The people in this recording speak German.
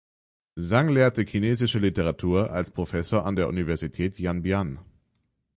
Zhang lehrte chinesische Literatur als Professor an der Universität Yanbian.